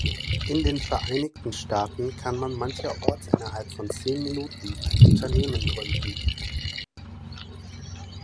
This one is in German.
In den Vereinigten Staaten kann man mancherorts innerhalb von zehn Minuten ein Unternehmen gründen.